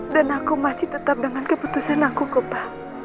dan aku masih tetap dengan keputusan aku kopa